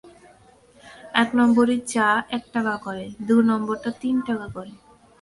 এক নম্বরী চা এক টাকা করে, দু নম্বরটা তিন টাকা করে।